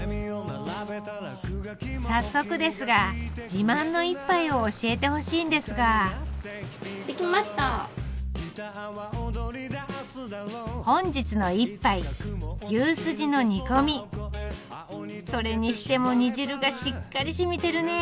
早速ですが自慢の一杯を教えてほしいんですが本日の一杯それにしても煮汁がしっかりしみてるね！